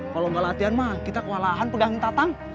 kalau nggak latihan mah kita kewalahan pegang tatang